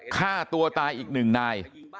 ฆ่าตัวตายอีก๑นาย